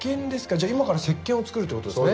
じゃ今から石けんを作るって事ですね？